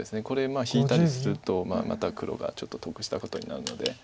これ引いたりするとまた黒がちょっと得したことになるので。